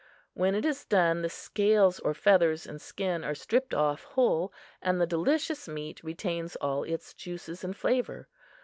When it is done, the scales or feathers and skin are stripped off whole, and the delicious meat retains all its juices and flavor.